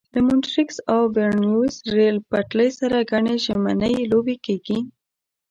له مونټریکس او برنویس ریل پټلۍ سره ګڼې ژمنۍ لوبې کېږي.